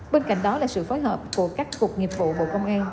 bên cạnh đó là sự phối hợp của các cục nghiệp vụ bộ công an